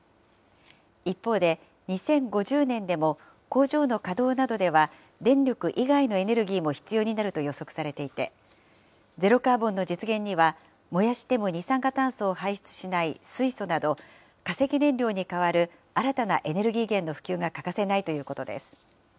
一方で、２０５０年でも工場の稼働などでは電力以外のエネルギーも必要になると予測されていて、ゼロカーボンの実現には燃やしても二酸化炭素を排出しない水素など、化石燃料にかわる新たなエネルギー源の普及が欠かせないということです。